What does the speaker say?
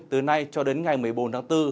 từ nay cho đến ngày một mươi bốn tháng bốn